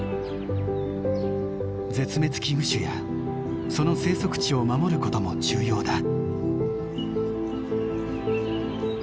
絶滅危惧種やその生息地を守ることも重要だ。